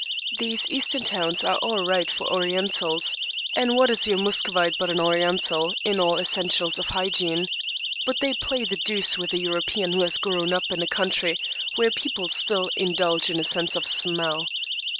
These Eastern towns are all right for Orientals; and what is your Muscovite but an Oriental, in all essentials of hygiene? But they play the deuce with a European who has grown up in a country where people still indulge in a sense of smell."